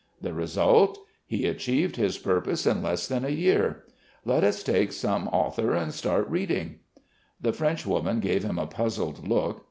The result he achieved his purpose in less than a year. Let us take some author and start reading." The Frenchwoman gave him a puzzled look.